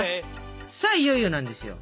さあいよいよなんですよ。